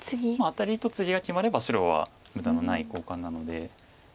アタリとツギが決まれば白は無駄のない交換なので。